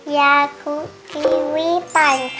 ยากุกีวี่ปั่นค่ะ